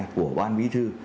của ban bí thư